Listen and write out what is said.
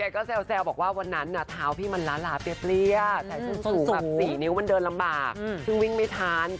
ก็ไม่ใช่เนอะมันไม่ได้อุ่ม